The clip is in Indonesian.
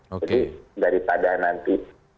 jadi daripada nanti